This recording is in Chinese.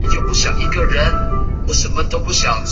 白毛子楝树为桃金娘科子楝树属下的一个种。